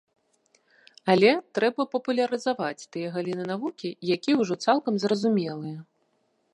Але трэба папулярызаваць тыя галіны навукі, якія ўжо цалкам зразумелыя.